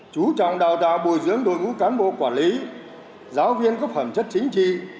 chú trọng đào tạo bồi dưỡng đội ngũ cán bộ quản lý giáo viên có phẩm chất chính trị